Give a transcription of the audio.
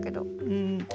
うん。